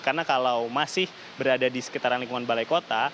karena kalau masih berada di sekitaran lingkungan balai kota